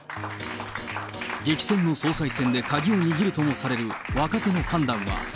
激戦の総裁選で鍵を握るともされる若手の判断は？